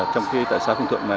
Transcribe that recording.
trong cái tại xã phương tượng này